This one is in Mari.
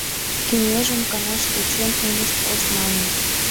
Кеҥежым канаш ячен ынышт кошт манын.